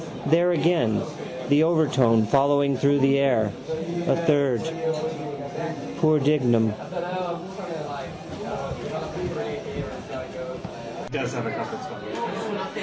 There again: the overtone following through the air. A third. Poor Dignam!